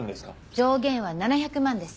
上限は７００万です。